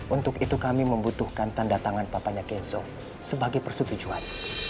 untuk itu kami membutuhkan tanda tangan papanya kenso sebagai persetujuan